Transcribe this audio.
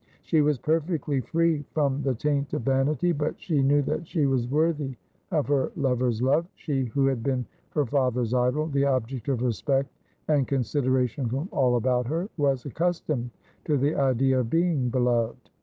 She was perfectly free from the taint of vanity ; but she knew that she was worthy of her lover's love. She, who had been her father's idol, the object of respect and consideration from all about her, was accustomed to the idea of being beloved.